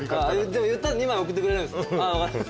でも言ったら２枚送ってくれるんですか？